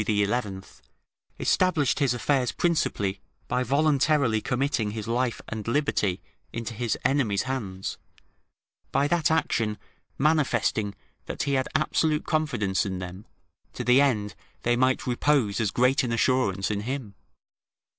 ] established his affairs principally by voluntarily committing his life and liberty into his enemies' hands, by that action manifesting that he had absolute confidence in them, to the end they might repose as great an assurance in him.